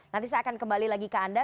nanti saya akan kembali lagi ke anda